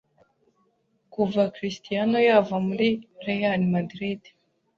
kuva Cristiano yava muri Real Madrid